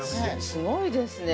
◆すごいですね。